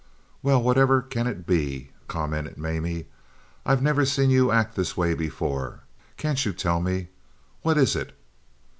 "Well, whatever can it be?" commented Mamie. "I never saw you act this way before. Can't you tell me? What is it?"